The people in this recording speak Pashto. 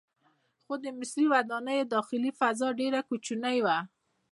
خو د مصري ودانیو داخلي فضا ډیره کوچنۍ وه.